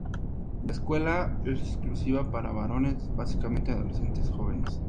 La escuela es exclusiva para varones, básicamente adolescentes jóvenes.